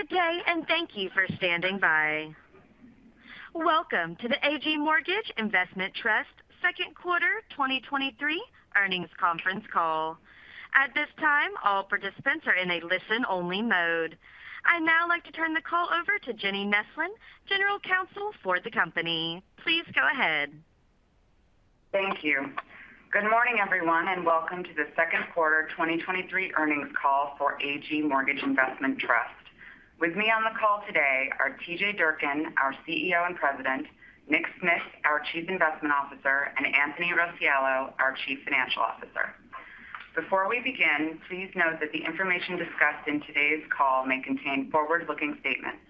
Good day. Thank you for standing by. Welcome to the AG Mortgage Investment Trust second quarter 2023 earnings conference call. At this time, all participants are in a listen-only mode. I'd now like to turn the call over to Jenny Neslin, General Counsel for the company. Please go ahead. Thank you. Good morning, everyone, and welcome to the second quarter 2023 earnings call for AG Mortgage Investment Trust. With me on the call today are TJ Durkin, our CEO and President, Nick Smith, our Chief Investment Officer, and Anthony Rossiello, our Chief Financial Officer. Before we begin, please note that the information discussed in today's call may contain forward-looking statements.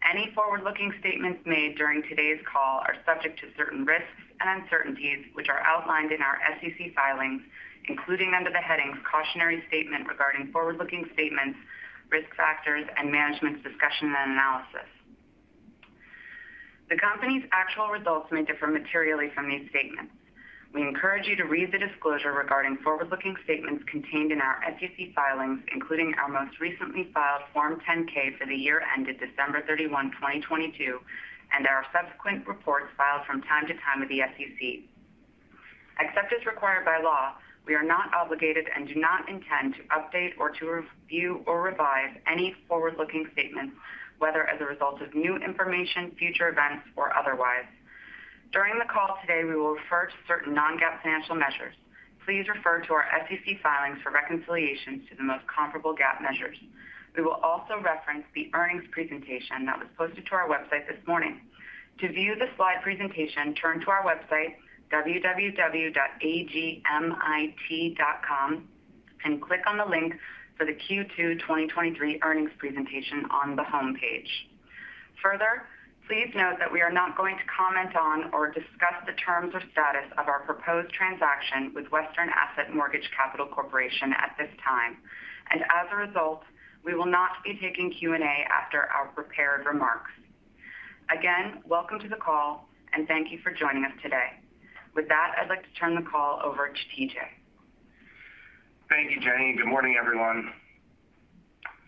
Any forward-looking statements made during today's call are subject to certain risks and uncertainties, which are outlined in our SEC filings, including under the headings "Cautionary Statement Regarding Forward-Looking Statements, Risk Factors, and Management's Discussion and Analysis." The company's actual results may differ materially from these statements. We encourage you to read the disclosure regarding forward-looking statements contained in our SEC filings, including our most recently filed Form 10-K for the year ended December 31, 2022, and our subsequent reports filed from time to time with the SEC. Except as required by law, we are not obligated and do not intend to update or to review, or revise any forward-looking statements, whether as a result of new information, future events, or otherwise. During the call today, we will refer to certain Non-GAAP financial measures. Please refer to our SEC filings for reconciliations to the most comparable GAAP measures. We will also reference the earnings presentation that was posted to our website this morning. To view the slide presentation, turn to our website, www.agmit.com, and click on the link for the Q2 2023 earnings presentation on the homepage. Further, please note that we are not going to comment on, or discuss the terms or status of our proposed transaction with Western Asset Mortgage Capital Corporation at this time, and as a result, we will not be taking Q&A after our prepared remarks. Again, welcome to the call, and thank you for joining us today. With that, I'd like to turn the call over to TJ. Thank you, Jenny. Good morning, everyone.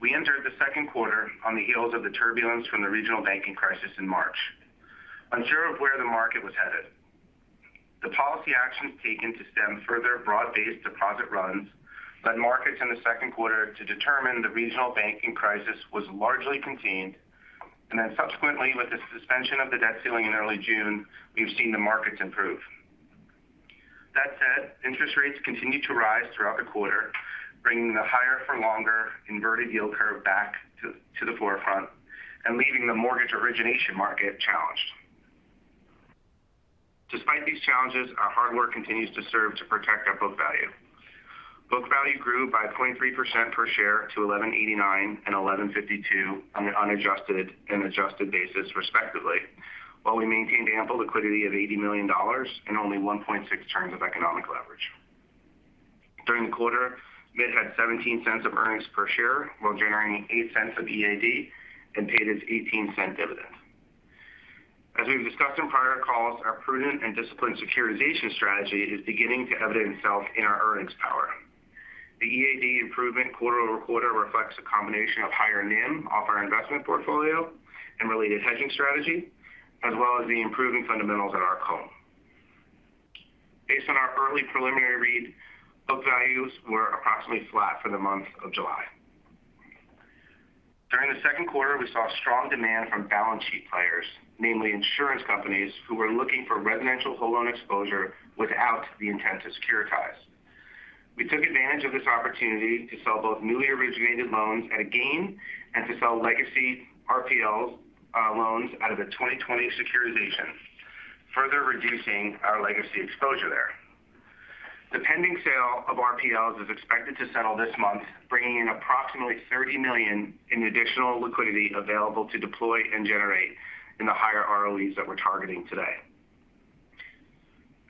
We entered the second quarter on the heels of the turbulence from the regional banking crisis in March, unsure of where the market was headed. The policy actions taken to stem further broad-based deposit runs led markets in the second quarter to determine the regional banking crisis was largely contained. Subsequently, with the suspension of the debt ceiling in early June, we've seen the markets improve. That said, interest rates continued to rise throughout the quarter, bringing the higher for longer inverted yield curve back to the forefront and leaving the mortgage origination market challenged. Despite these challenges, our hard work continues to serve to protect our book value. Book value grew by 0.3% per share to $11.89 and $11.52 on an unadjusted and adjusted basis, respectively, while we maintained ample liquidity of $80 million and only 1.6x of economic leverage. During the quarter, MITT had $0.17 of earnings per share, while generating $0.08 of EAD and paid its $0.18 dividend. As we've discussed in prior calls, our prudent and disciplined securitization strategy is beginning to evidence itself in our earnings power. The EAD improvement quarter-over-quarter reflects a combination of higher NIM off our investment portfolio and related hedging strategy, as well as the improving fundamentals at our call. Based on our early preliminary read, book values were approximately flat for the month of July. During the second quarter, we saw strong demand from balance sheet players, namely insurance companies, who were looking for residential whole loan exposure without the intent to securitize. We took advantage of this opportunity to sell both newly originated loans at a gain and to sell legacy RPL loans out of the 2020 securitization, further reducing our legacy exposure there. The pending sale of RPLs is expected to settle this month, bringing in approximately $30 million in additional liquidity available to deploy and generate in the higher ROEs that we're targeting today.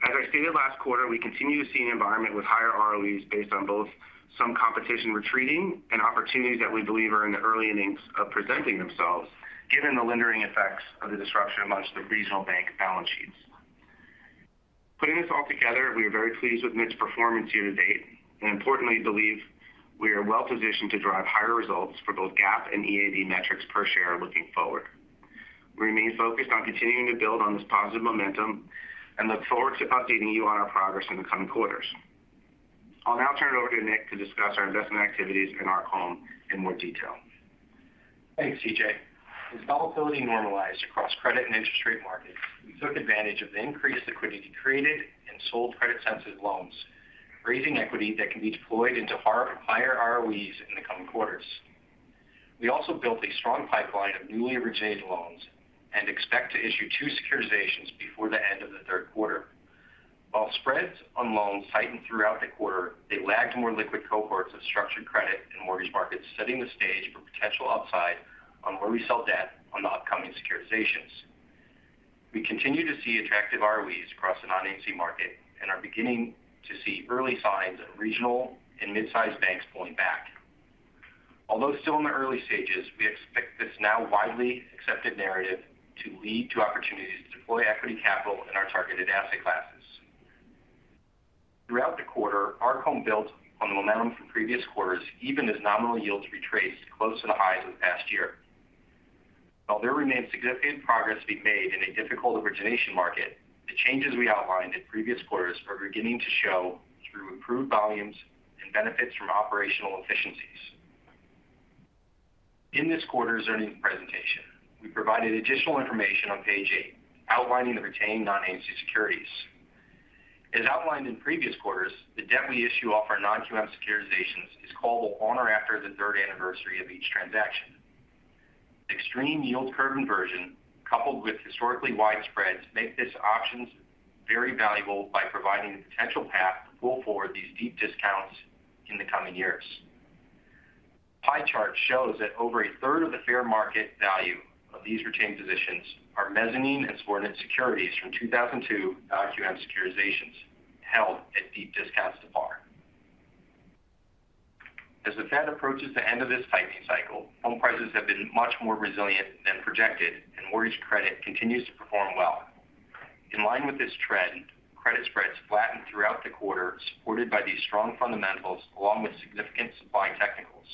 As I stated last quarter, we continue to see an environment with higher ROEs based on both some competition retreating and opportunities that we believe are in the early innings of presenting themselves, given the lingering effects of the disruption amongst the regional bank balance sheets. Putting this all together, we are very pleased with MITT's performance year to date, and importantly, believe we are well positioned to drive higher results for both GAAP and EAD metrics per share looking forward. We remain focused on continuing to build on this positive momentum and look forward to updating you on our progress in the coming quarters. I'll now turn it over to Nick to discuss our investment activities and our call in more detail. Thanks, TJ. As volatility normalized across credit and interest rate markets, we took advantage of the increased liquidity created and sold credit-sensitive loans, raising equity that can be deployed into higher ROEs in the coming quarters. We also built a strong pipeline of newly originated loans and expect to issue two securitizations before the end of the third quarter. While spreads on loans tightened throughout the quarter, they lagged more liquid cohorts of structured credit and mortgage markets, setting the stage for potential upside on where we sell debt on the upcoming securitizations. We continue to see attractive ROEs across the non-agency market and are beginning to see early signs of regional and mid sized banks pulling back. Although still in the early stages, we expect this now widely accepted narrative to lead to opportunities to deploy equity capital in our targeted asset classes. Throughout the quarter, Arc Home built on the momentum from previous quarters, even as nominal yields retraced close to the highs of the past year. While there remains significant progress to be made in a difficult origination market, the changes we outlined in previous quarters are beginning to show through improved volumes and benefits from operational efficiencies. In this quarter's earnings presentation, we provided additional information on page 8, outlining the retained non-agency securities. As outlined in previous quarters, the debt we issue off our non-QM securitizations is callable on or after the third anniversary of each transaction. Extreme yield curve inversion, coupled with historically wide spreads, make these options very valuable by providing a potential path to pull forward these deep discounts in the coming years. Pie chart shows that over a third of the fair market value of these retained positions are mezzanine and subordinate securities from two thousand and two non-QM securitizations, held at deep discounts to par. As the Fed approaches the end of this tightening cycle, home prices have been much more resilient than projected, and mortgage credit continues to perform well. In line with this trend, credit spreads flattened throughout the quarter, supported by these strong fundamentals, along with significant supply technicals.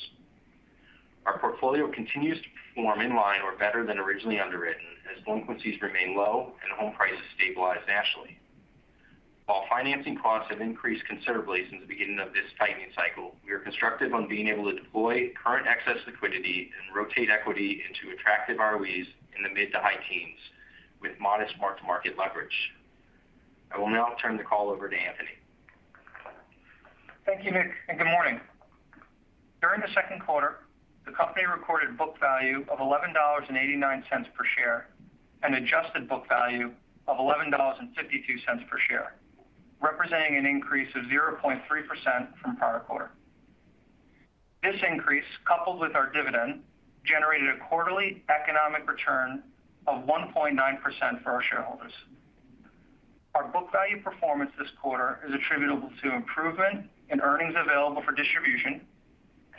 Our portfolio continues to perform in line or better than originally underwritten, as delinquencies remain low and home prices stabilize nationally. While financing costs have increased considerably since the beginning of this tightening cycle, we are constructive on being able to deploy current excess liquidity and rotate equity into attractive ROEs in the mid to high teens, with modest mark-to-market leverage. I will now turn the call over to Anthony. Thank you, Nick. Good morning. During the second quarter, the company recorded book value of $11.89 per share and adjusted book value of $11.52 per share, representing an increase of 0.3% from prior quarter. This increase, coupled with our dividend, generated a quarterly economic return of 1.9% for our shareholders. Our book value performance this quarter is attributable to improvement in earnings available for distribution,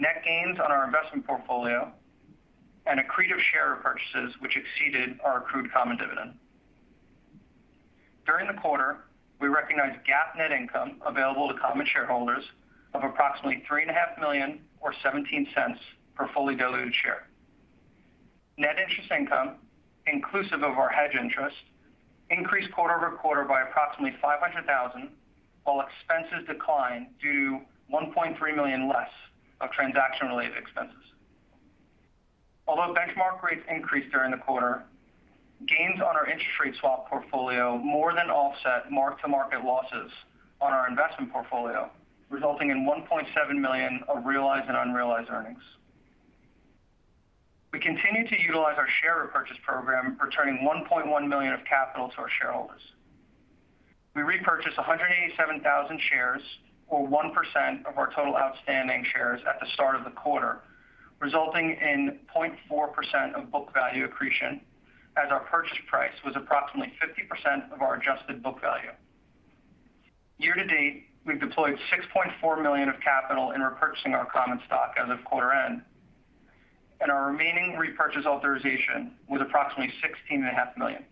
net gains on our investment portfolio, and accretive share repurchases, which exceeded our accrued common dividend. During the quarter, we recognized GAAP net income available to common shareholders of approximately $3.5 million, or $0.17 per fully diluted share. Net interest income, inclusive of our hedge interest, increased quarter-over-quarter by approximately $500,000, while expenses declined to $1.3 million less of transaction-related expenses. Although benchmark rates increased during the quarter, gains on our interest rate swap portfolio more than offset mark-to-market losses on our investment portfolio, resulting in $1.7 million of realized and unrealized earnings. We continued to utilize our share repurchase program, returning $1.1 million of capital to our shareholders. We repurchased 187,000 shares, or 1% of our total outstanding shares at the start of the quarter, resulting in 0.4% of book value accretion, as our purchase price was approximately 50% of our adjusted book value. Year to date, we've deployed $6.4 million of capital in repurchasing our common stock as of quarter end, and our remaining repurchase authorization was approximately $16.5 million.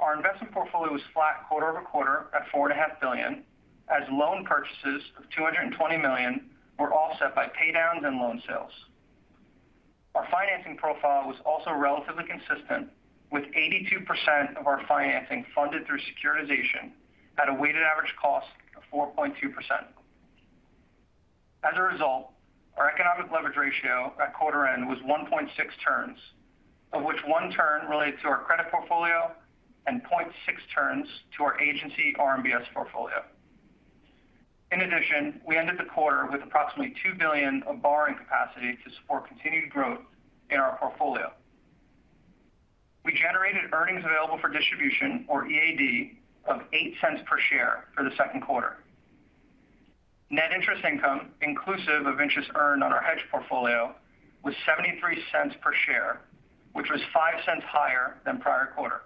Our investment portfolio was flat quarter-over-quarter at $4.5 billion, as loan purchases of $220 million were offset by pay downs and loan sales. Our financing profile was also relatively consistent, with 82% of our financing funded through securitization at a weighted average cost of 4.2%. As a result, our economic leverage ratio at quarter end was 1.6 turns, of which 1 turn relates to our credit portfolio and 0.6 turns to our Agency RMBS portfolio. In addition, we ended the quarter with approximately $2 billion of borrowing capacity to support continued growth in our portfolio. We generated earnings available for distribution, or EAD, of $0.08 per share for the second quarter. Net interest income, inclusive of interest earned on our hedge portfolio, was $0.73 per share, which was $0.05 higher than prior quarter.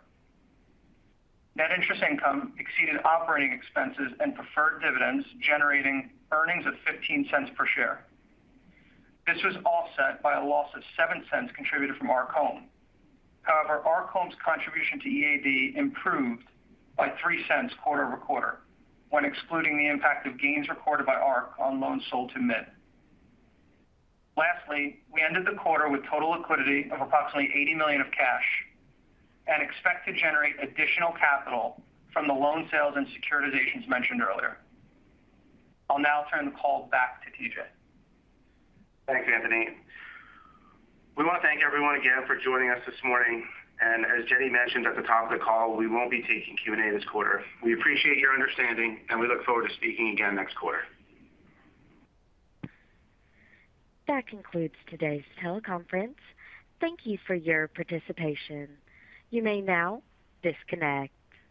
Net interest income exceeded operating expenses and preferred dividends, generating earnings of $0.15 per share. This was offset by a loss of $0.07 contributed from Arc Home. Arc Home's contribution to EAD improved by $0.03 quarter-over-quarter, when excluding the impact of gains recorded by Arc on loans sold to Mid. We ended the quarter with total liquidity of approximately $80 million of cash and expect to generate additional capital from the loan sales and securitizations mentioned earlier. I'll now turn the call back to TJ. Thanks, Anthony. We want to thank everyone again for joining us this morning, and as Jenny mentioned at the top of the call, we won't be taking Q&A this quarter. We appreciate your understanding, and we look forward to speaking again next quarter. That concludes today's teleconference. Thank you for your participation. You may now disconnect.